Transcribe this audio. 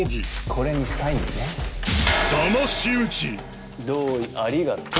これにサインね同意ありがと